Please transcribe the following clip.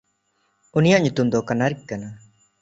ᱩᱱᱤᱭᱟᱜ ᱧᱩᱛᱩᱢ ᱫᱚ ᱠᱟᱱᱟᱨᱤᱠ ᱠᱟᱱᱟ᱾